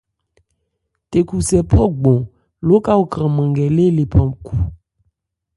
Thekhusɛ phɔ̂ gbɔn lóka o kranman nkɛ lê lephan khu.